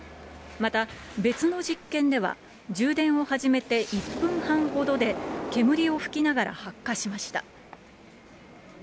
また、別の実験では充電を始めて１分半ほどで、煙を吹きながら発火しました。